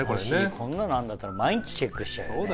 こんなのあんだったら毎日チェックしちゃうよね。